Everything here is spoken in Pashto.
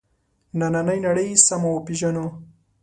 نننۍ نړۍ سمه وپېژنو.